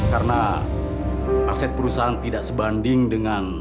karena aset perusahaan tidak sebanding dengan